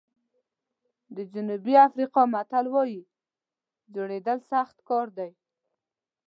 د جنوبي افریقا متل وایي جوړېدل سخت کار دی.